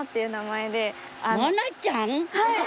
はい！